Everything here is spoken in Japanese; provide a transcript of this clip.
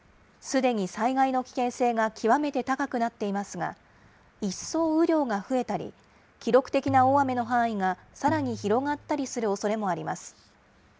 すでに災害の危険性が極めて高くなっていますが、一層雨量が増えたり、記録的な大雨の範囲がさらに広がったりするおそれもあります。